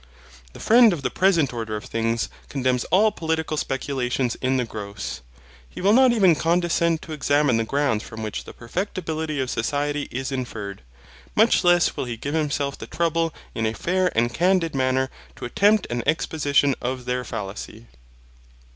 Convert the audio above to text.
The friend of the present order of things condemns all political speculations in the gross. He will not even condescend to examine the grounds from which the perfectibility of society is inferred. Much less will he give himself the trouble in a fair and candid manner to attempt an exposition of their fallacy.